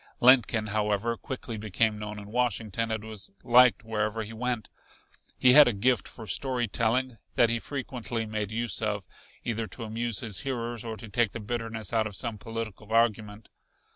Lincoln, however, quickly became known in Washington and was liked wherever he went. He had a gift for story telling that he frequently made use of, either to amuse his hearers or to take the bitterness out of some political argument.